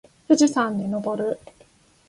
富士山にのぼる。